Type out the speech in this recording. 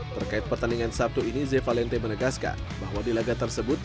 terkait pertandingan sabtu ini ze valente menegaskan bahwa di laga tersebut